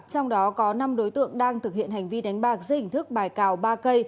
trong đó có năm đối tượng đang thực hiện hành vi đánh bạc dưới hình thức bài cào ba k